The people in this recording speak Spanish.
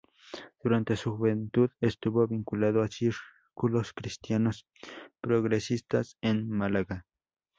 Durante su juventud estuvo vinculado a círculos cristianos progresistas en Málaga.